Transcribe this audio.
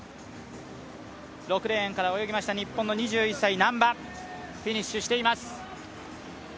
６レーンから泳ぎました日本の難波、フィニッシュしています。